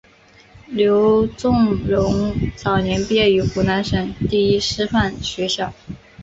刘仲容早年毕业于湖南省立第一师范学校。